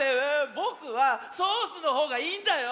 ぼくはソースのほうがいいんだよ。